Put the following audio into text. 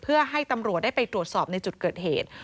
เพื่อให้ตำรวจได้ไปตรวจสอบในจุดเกิดเหตุ